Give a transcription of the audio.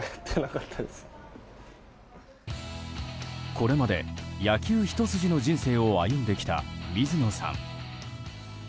これまで野球ひと筋の人生を歩んできた水野さん。